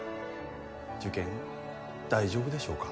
受験大丈夫でしょうか